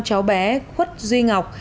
cháu bé khuất duy ngọc